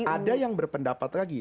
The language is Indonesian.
ada yang berpendapat lagi